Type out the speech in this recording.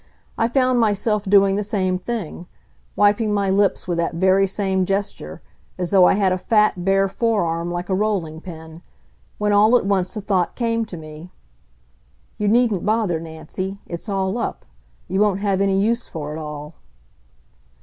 I found myself doing the same thing wiping my lips with that very same gesture, as though I had a fat, bare forearm like a rolling pin when all at once the thought came to me: "You needn't bother, Nancy. It's all up. You won't have any use for it all."